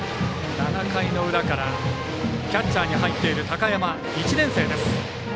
７回の裏からキャッチャーに入っている高山１年生です。